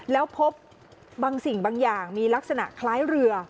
แล้วพบบางสิ่งบางอย่างมีลักษณะคล้ายเรือ